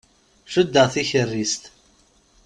Cuddeɣ tikerrist.